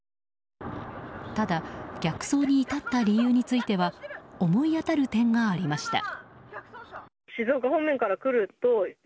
ただ、逆走に至った理由については思い当たる点がありました。